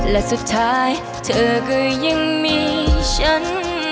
และสุดท้ายเธอก็ยังมีฉัน